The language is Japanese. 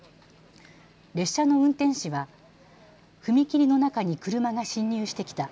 列車の運転士は踏切の中に車が進入してきた。